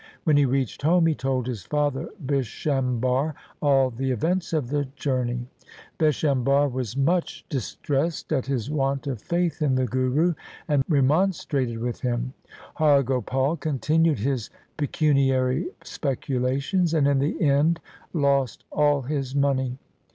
When he reached home he told his father Bishambhar all the events of the journey. Bishambhar was much dis tressed at his want of faith in the Guru, and remon strated with him. Har Gopal continued his pecuniary speculations, and in the end lost all his money.